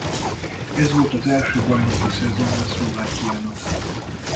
Ez volt az első bajnoki szezonja Szlovákiának.